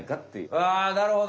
あなるほど！